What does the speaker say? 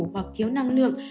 hoặc thiếu năng lượng